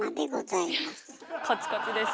カチカチです。